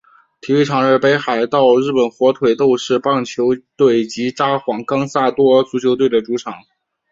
体育场是北海道日本火腿斗士棒球队及札幌冈萨多足球队的主场。